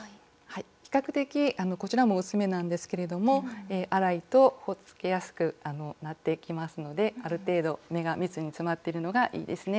比較的こちらも薄めなんですけれども粗いとほつれやすくなっていきますのである程度目が密に詰まってるのがいいですね。